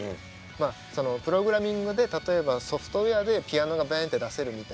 まあそのプログラミングで例えばソフトウエアでピアノがバンって出せるみたいな。